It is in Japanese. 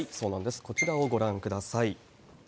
こちらをご覧ください。